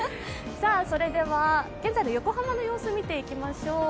現在の横浜の様子見ていきましょう。